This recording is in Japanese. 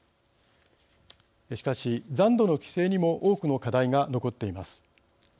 しかし、残土の規制にも多くの課題が残っています。